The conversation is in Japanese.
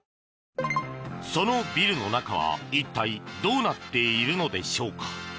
そのビルの中は一体どうなっているのでしょうか。